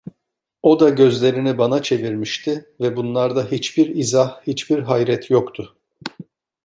O da gözlerini bana çevirmişti ve bunlarda hiçbir izah, hiçbir hayret yoktu.